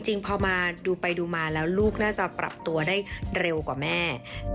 จริงพอมาดูไปดูมาแล้วลูกน่าจะปรับตัวได้เร็วกว่าแม่